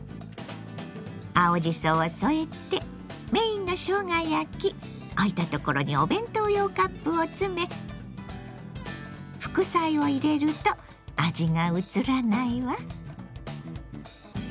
青じそを添えてメインのしょうが焼き空いたところにお弁当用カップを詰め副菜を入れると味が移らないわ。